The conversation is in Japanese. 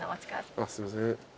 あっすいません。